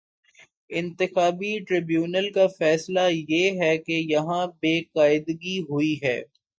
انتخابی ٹربیونل کا فیصلہ یہ ہے کہ یہاں بے قاعدگی ہو ئی ہے۔